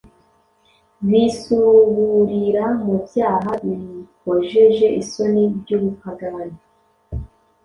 bisuburira mu byaha bikojeje isoni by’ubupagani.